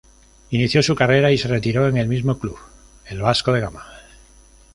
Inició su carrera y se retiró en el mismo club, el Vasco de Gama.